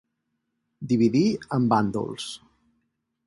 Dividir en bàndols.